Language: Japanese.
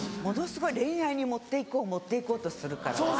ものすごい恋愛に持って行こう持って行こうとするから。